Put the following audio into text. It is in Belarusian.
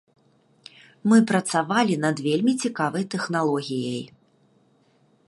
Мы працавалі над вельмі цікавай тэхналогіяй.